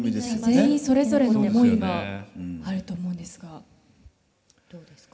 全員それぞれの思いがあると思うんですがどうですか。